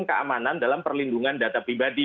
keamanan dalam perlindungan data pribadi